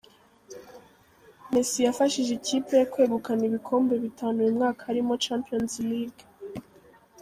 Messi yafashije ikipe ye kwegukana ibikombe bitanu uyu mwaka harimo na Champions League.